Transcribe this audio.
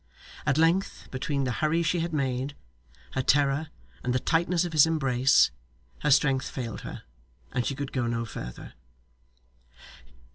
At length, between the hurry she had made, her terror, and the tightness of his embrace, her strength failed her, and she could go no further.